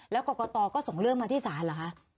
แล้วกรกตก็ส่งเรื่องมาที่ศาลเหรอคะ